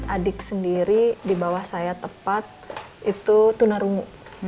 adik sendiri di bawah saya tepat itu tunarungu